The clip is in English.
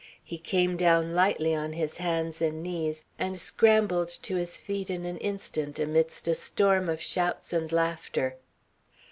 He came down lightly on his hands and knees, and scrambled to his feet in an instant amidst a storm of shouts and laughter.